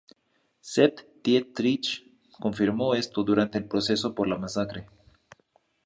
Sepp Dietrich confirmó esto durante el proceso por la masacre.